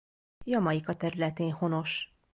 Jamaica területén honos.